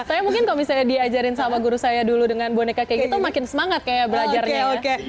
saya mungkin kalau misalnya diajarin sama guru saya dulu dengan boneka kayak gitu makin semangat kayak belajarnya ya